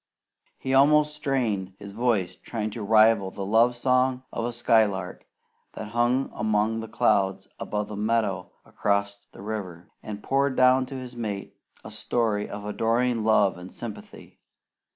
He almost strained his voice trying to rival the love song of a skylark that hung among the clouds above a meadow across the river, and poured down to his mate a story of adoring love and sympathy.